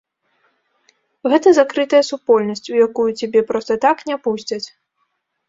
Гэта закрытая супольнасць, у якую цябе проста так не пусцяць.